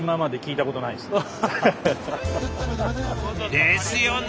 ですよね！